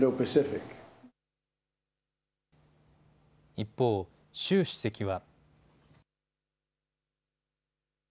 一方、習主席は。